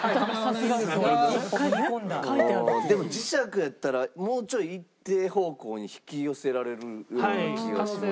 でも磁石やったらもうちょい一定方向に引き寄せられるような気がしますよね。